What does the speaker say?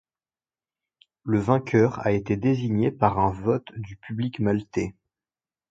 Le vainqueur a été désigné par un vote du public maltais.